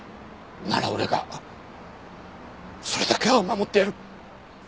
なら俺がそれだけは守ってやる。